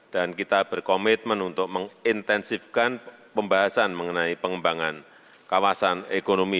kita berkomitmen untuk mengintensifkan pembahasan mengenai pengembangan kawasan ekonomi